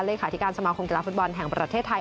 เลขาธิการสมาคมกีฬาฟุตบอลแห่งประเทศไทย